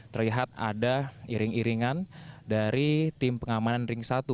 terlihat ada iring iringan dari tim pengamanan ring satu